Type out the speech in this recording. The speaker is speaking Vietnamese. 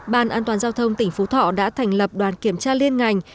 ban an toàn giao thông tỉnh phú thọ đã thành lập đoàn kiểm tra liên ngành